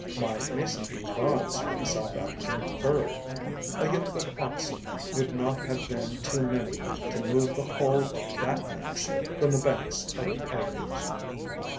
My Mason bee vies with the South African bird: a yoke of Oxen would not have been too many to move the whole of that nest from the banks of the Aygues.